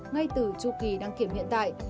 ngay từ chu kỳ đăng kiểm hiện tại